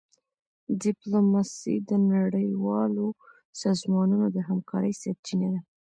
ډيپلوماسي د نړیوالو سازمانونو د همکارۍ سرچینه ده.